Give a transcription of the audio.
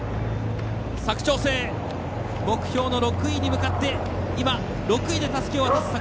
佐久長聖、目標の６位に向かって６位でたすきを渡す。